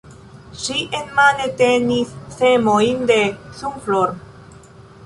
Ŝi enmane tenis semojn de sunflor.